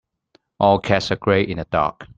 All cats are grey in the dark.